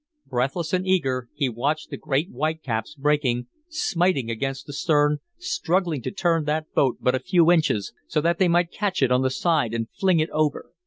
Breathless and eager, he watched the great white caps breaking, smiting against the stern, struggling to turn that boat but a few inches so that they might catch it on the side and fling it over.